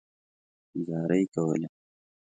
زارۍ کولې.